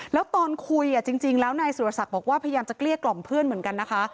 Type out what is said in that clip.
แล้วตอนคุยจริงแล้วนายสุรศักดิ์บอกว่าพยายามจะเกลี้ยกล่อมเพื่อนเหมือนกันนะคะ